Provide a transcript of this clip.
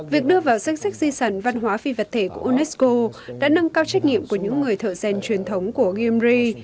việc đưa vào danh sách di sản văn hóa phi vật thể của unesco đã nâng cao trách nhiệm của những người thợ gen truyền thống của gyungri